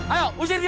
ayo usir dia